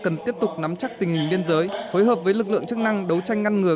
cần tiếp tục nắm chắc tình hình biên giới hối hợp với lực lượng chức năng đấu tranh ngăn ngừa